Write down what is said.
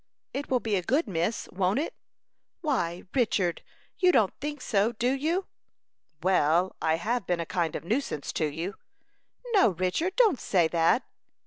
"It will be a good miss won't it?" "Why, Richard! You don't think so do you?" "Well, I have been a kind of nuisance to you." "No, Richard; don't say that."